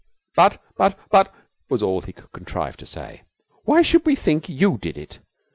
'But but but ' was all he could contrive to say. 'Why should we think you did it?'